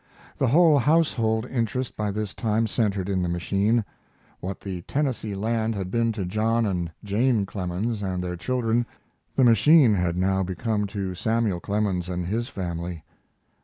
The whole household interest by this time centered in the machine. What the Tennessee land had been to John and Jane Clemens and their children, the machine had now become to Samuel Clemens and his family.